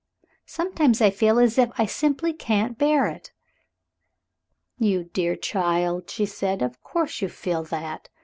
Sometimes I feel as if I simply couldn't bear it." "You dear child!" she said; "of course you feel that.